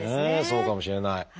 そうかもしれない。